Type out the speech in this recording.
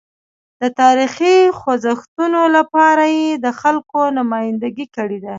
د تاریخي خوځښتونو لپاره یې د خلکو نمایندګي کړې ده.